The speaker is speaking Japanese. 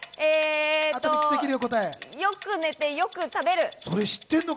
よく寝てよく食べる。